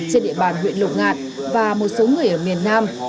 trên địa bàn huyện lục ngạn và một số người ở miền nam